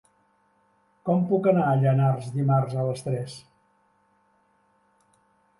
Com puc anar a Llanars dimarts a les tres?